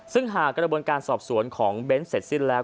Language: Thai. ซึ่งหากกระบวนการสอบสวนของเบ้นเสร็จสิ้นแล้ว